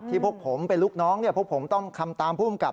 ที่พวกผมเป็นลูกน้องพวกผมต้องคำตามภูมิกับ